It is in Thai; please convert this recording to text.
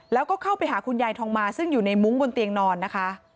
แล้วก็เข้าไปหาคุณยายทองมาซึ่งอยู่ในมุ้งบนเตียงนอนนะคะ